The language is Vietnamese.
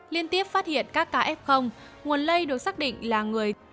liên tiếp phát hiện các ca f nguồn lây được xác định là người